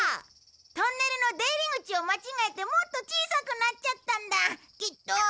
トンネルの出入り口を間違えてもっと小さくなっちゃったんだきっと。